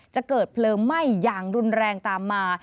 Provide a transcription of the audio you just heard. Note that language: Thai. จะเกิดเพลิงไหม้อย่างรุนแรงตามมา